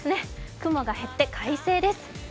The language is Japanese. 雲が去って快晴です。